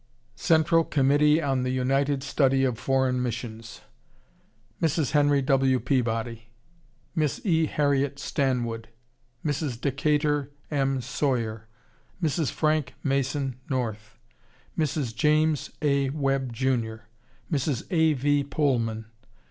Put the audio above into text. CENTRAL COMMITTEE ON THE UNITED STUDY OF FOREIGN MISSIONS. MRS. HENRY W. PEABODY. MISS E. HARRIET STANWOOD. MRS. DECATUR M. SAWYER. MRS. FRANK MASON NORTH. MRS. JAMES A. WEBB, JR. MRS. A. V. POHLMAN.